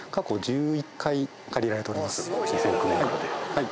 はい。